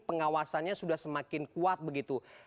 pengawasannya sudah semakin kuat begitu